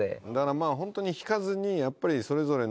まあホントに引かずにやっぱりそれぞれのスタイル